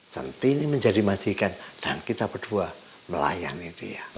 sentini menjadi masikan dan kita berdua melayani dia